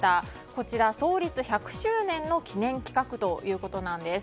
こちら創立１００周年の記念企画ということです。